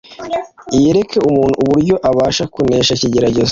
yereke umuntu uburyo abasha kunesha ikigeragezo